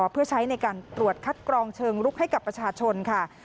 เพื่อใช้ในการตรวจคัดกรองเชิงลุกให้กับประชาชนค่ะ